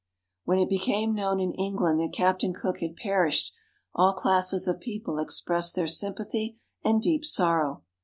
When it became known in England that Captain Cook had perished, all classes of people expressed their sym pathy and deep sorrow.